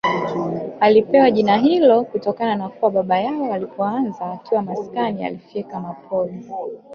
Alipewa jina hilo kutokana na kuwa baba yao alipoanza akiwa maskani alifyeka mapori